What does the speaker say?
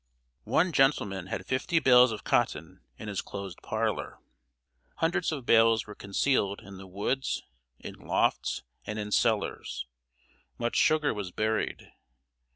One gentleman had fifty bales of cotton in his closed parlor. Hundreds of bales were concealed in the woods, in lofts, and in cellars. Much sugar was buried.